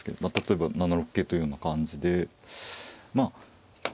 まあ例えば７六桂というような感じでまあ